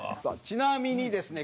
ちなみにですね